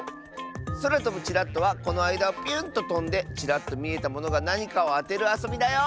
「そらとぶチラッと」はこのあいだをピュンととんでチラッとみえたものがなにかをあてるあそびだよ！